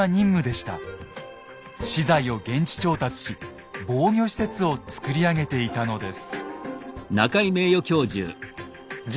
資材を現地調達し防御施設を造り上げていたのです。